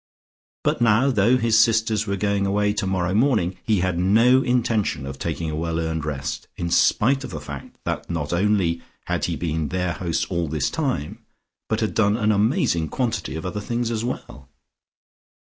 But now, though his sisters were going away tomorrow morning, he had no intention of taking a well earned rest, in spite of the fact that not only had he been their host all this time, but had done an amazing quantity of other things as well.